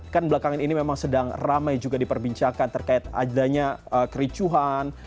kan belakangan ini memang sedang ramai juga diperbincangkan terkait adanya kericuhan